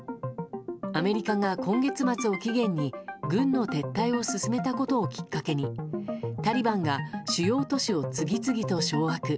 アメリカが今月末を期限に軍の撤退を進めたことをきっかけにタリバンが主要都市を次々と掌握。